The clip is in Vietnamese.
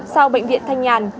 sau bệnh viện thanh nhàn